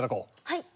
はい！